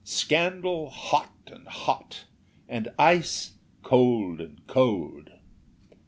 Scandal, hot and hot, and ice, cold and cold."